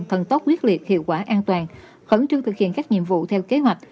thần tốc quyết liệt hiệu quả an toàn khẩn trương thực hiện các nhiệm vụ theo kế hoạch